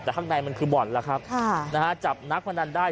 แต่ข้างในมันคือบ่อนแล้วครับค่ะนะฮะจับนักพนันได้